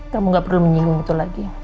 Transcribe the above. kamu gak perlu menyinggung itu lagi ya